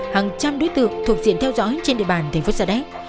hàng trăm đối tượng thuộc diện theo dõi trên địa bàn thành phố sa đéc